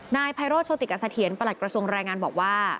นายไพโรธโชติกเสถียรประหลัดกระทรวงแรงงานบอกว่า